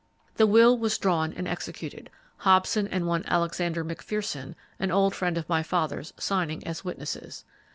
The will was drawn and executed, Hobson and one Alexander McPherson, an old friend of my father's, signing as witnesses.